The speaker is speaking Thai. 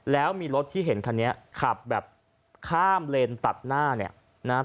แล้วมีรถที่เห็นคันนี้ขับแบบข้ามเลนตัดหน้า